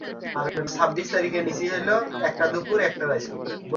সেই ওর চুপ করে বসে থাকাটাও কুমুকে কষ্ট দিলে।